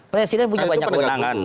presiden punya banyak kemenangan